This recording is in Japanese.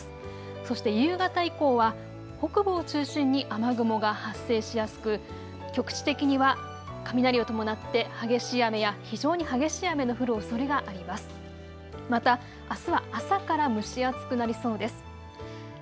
そして夕方以降は北部を中心に雨雲が発生しやすく局地的には雷を伴って激しい雨や非常に激しい雨の降るおそれがあります。